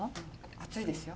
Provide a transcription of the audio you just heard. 熱いですよ。